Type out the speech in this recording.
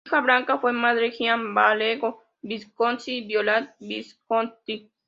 Su hija Blanca fue madre Gian Galeazzo Visconti y Violante Visconti.